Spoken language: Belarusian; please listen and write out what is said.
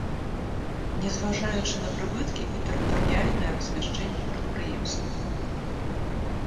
Не зважаючы на прыбыткі і тэрытарыяльнае размяшчэнне прадпрыемства.